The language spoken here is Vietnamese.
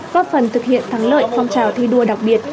góp phần thực hiện thắng lợi phong trào thi đua đặc biệt